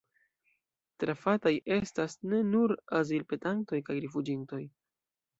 Trafataj estas ne nur azilpetantoj kaj rifuĝintoj.